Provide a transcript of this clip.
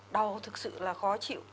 đau thực sự là khó chịu